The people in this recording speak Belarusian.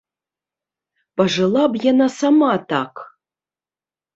Пажыла б яна сама так!